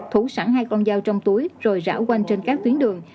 thủ sẵn hai con dao trong túi rồi rảo quanh trên các tuyến đường